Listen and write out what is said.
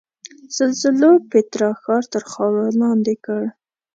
زلزلو پیترا ښار تر خاورو لاندې پټ کړ.